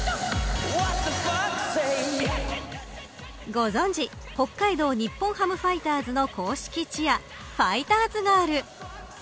ご存じ北海道日本ハムファイターズの公式チアファイターズガール。